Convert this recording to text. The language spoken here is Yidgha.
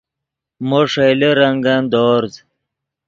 مو ݰئیلے رنگن دورز